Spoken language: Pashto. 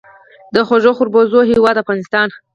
د خوږو خربوزو هیواد افغانستان.